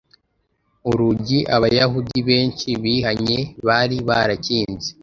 Urugi Abayahudi benshi bihanye bari barakinze,